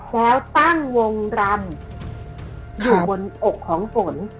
แล้วตั้งวงรำอยู่บนอกของฝน